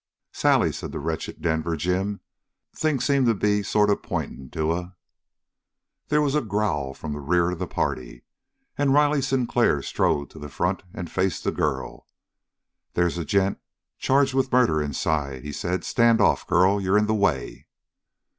"Sally," said the wretched Denver Jim, "things seemed to be sort of pointing to a " There was a growl from the rear of the party, and Riley Sinclair strode to the front and faced the girl. "They's a gent charged with murder inside," he said. "Stand off, girl. You're in the way!"